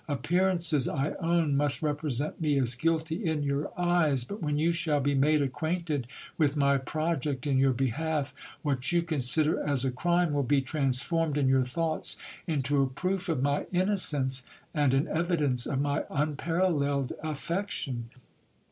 Appearances, I own, must represent me as guilty in your eyes : but when you shall be made ac quainted with my project in your behalf, what you consider as a crime will be transformed in your thoughts into a proof of my innocence, and an evidence of my unparalleled affection.